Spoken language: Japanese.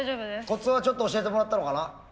コツはちょっと教えてもらったのかな？